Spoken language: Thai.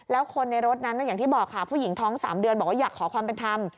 แล้วคนในรถนั้นอย่างที่บอกค่ะผู้หญิงท้อง๓เดือนบอกว่าอยากขอความเป็นธรรม